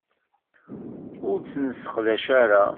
Ur tt-nesseqdac ara.